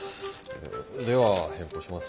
では変更します。